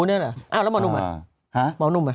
อาแล้วหมอนุ่มอะไร